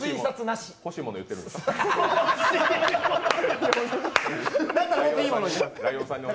欲しいもの言ってるんですか？